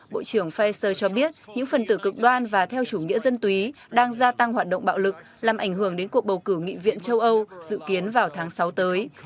bộ trưởng faeser cho biết những phần tử cực đoan và theo chủ nghĩa dân túy đang gia tăng hoạt động bạo lực làm ảnh hưởng đến cuộc bầu cử nghị viện châu âu dự kiến vào tháng sáu tới